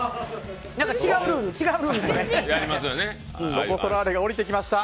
ロコ・ソラーレが降りてきました。